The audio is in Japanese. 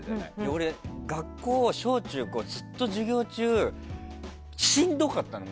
俺、学校、小中高ずっと授業中しんどかったの。